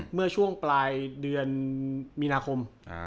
เมื่อช่วงปลายเดือนมีนาคม